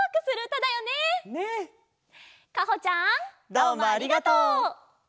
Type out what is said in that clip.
どうもありがとう！